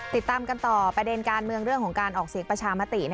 ติดตามกันต่อประเด็นการเมืองเรื่องของการออกเสียงประชามติ